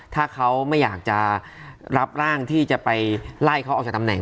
ถ้าเขาไม่อยากจะรับร่างที่จะไปไล่เขาออกจากตำแหน